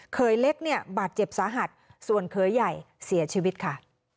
เล็กเนี่ยบาดเจ็บสาหัสส่วนเขยใหญ่เสียชีวิตค่ะ